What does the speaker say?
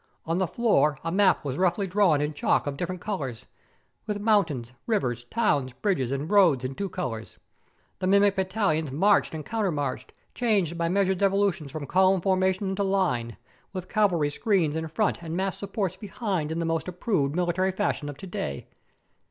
On the floor a map was roughly drawn in chalks of different colours, with mountains, rivers, towns, bridges, and roads in two colours. The mimic battalions marched and countermarched, changed by measured evolutions from column formation into line, with cavalry screens in front and massed supports behind in the most approved military fashion of to day.